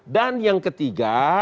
dan yang ketiga